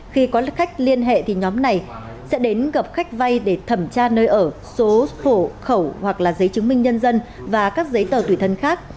khi có khách liên hệ thì nhóm này sẽ đến gặp khách vay để thẩm tra nơi ở số khổ khẩu hoặc là giấy chứng minh nhân dân và các giấy tờ tùy thân khác